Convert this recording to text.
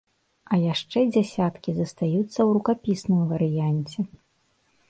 А яшчэ дзесяткі застаюцца ў рукапісным варыянце.